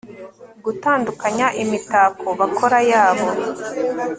Gutandukanya imitako bakora yabo